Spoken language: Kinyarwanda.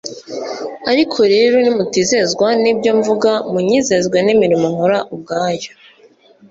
ariko rero nimutizezwa n'ibyo mvuga munyizezwe n'imirimo nkora ubwayo."